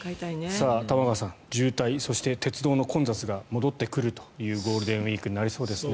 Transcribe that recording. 玉川さん渋滞、そして鉄道の混雑が戻ってくるというゴールデンウィークになりそうですね。